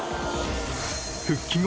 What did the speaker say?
復帰後